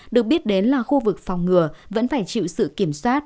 được biết đến là khu vực phòng ngừa vẫn phải chịu sự kiểm soát